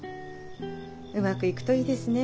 うまくいくといいですね。